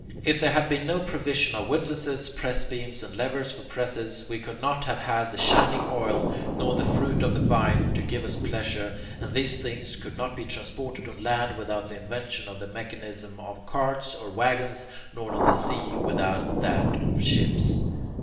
If there had been no provision of windlasses, pressbeams, and levers for presses, we could not have had the shining oil, nor the fruit of the vine to give us pleasure, and these things could not be transported on land without the invention of the mechanism of carts or waggons, nor on the sea without that of ships.